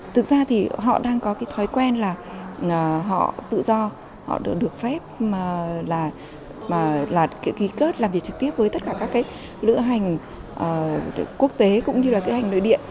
thực ra thì họ đang có cái thói quen là họ tự do họ được phép mà là kỳ cớt làm việc trực tiếp với tất cả các cái lựa hành quốc tế cũng như là lựa hành nội địa